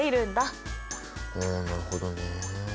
なるほどね。